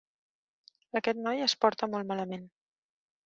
Aquest noi es porta molt malament.